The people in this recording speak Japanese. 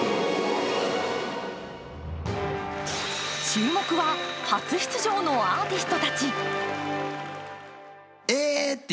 注目は、初出場のアーティストたち。